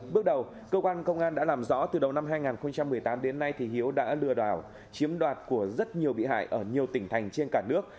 bước đầu cơ quan công an đã làm rõ từ đầu năm hai nghìn một mươi tám đến nay hiếu đã lừa đảo chiếm đoạt của rất nhiều bị hại ở nhiều tỉnh thành trên cả nước